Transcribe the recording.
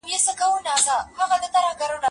زه کولای سم کتابونه وړم